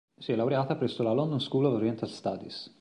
Si è laureata presso la London School of Oriental Studies.